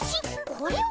これは。